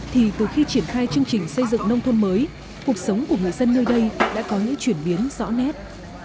thì từ khi triển khai chương trình xây dựng nông thôn mới cuộc sống của người dân nơi đây đã có những chuyển biến rõ nét